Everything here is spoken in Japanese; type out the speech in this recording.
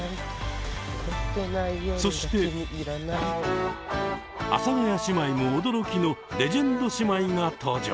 そして阿佐ヶ谷姉妹も驚きのレジェンド姉妹が登場。